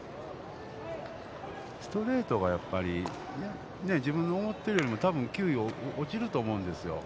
ストレートがやっぱり自分の思っているよりも球威が落ちると思うんですよ。